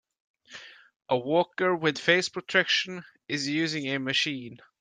A worker with face protection is using a machine.